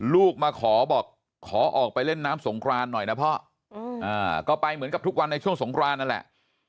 ลูกมาขอบอกขอออกไปเล่นน้ำสงครานหน่อยนะพ่อก็ไปเหมือนกับทุกวันในช่วงสงครานนั่นแหละ